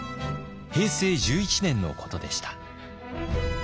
平成１１年のことでした。